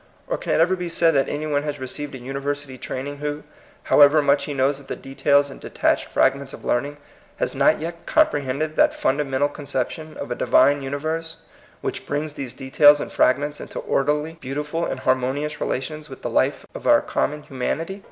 Or can it ever be said that any one has received a university training wlio, however much he knows of the details and detached fragments of learning, has not yet compi ehended that fundamental con ception of a Divine universe which brings these details and fragments into orderly, beautiful, and harmonious relations with the life of our common humanity?